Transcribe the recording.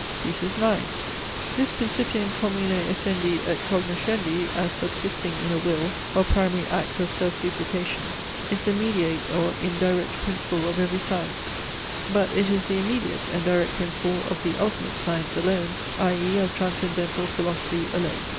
THESIS IX This principium commune essendi et cognoscendi, as subsisting in a WILL, or primary ACT of self duplication, is the mediate or indirect principle of every science; but it is the immediate and direct principle of the ultimate science alone, i.e. of transcendental philosophy alone.